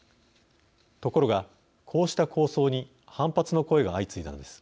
ところがこうした構想に反発の声が相次いだのです。